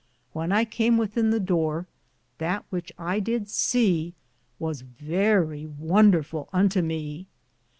When I came within the Dore, That which I did se was verrie wonderfuU unto me.